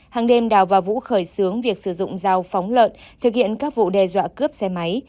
hàng đêm đào và vũ khởi xướng việc sử dụng dao phóng lợn thực hiện các vụ đe dọa cướp xe máy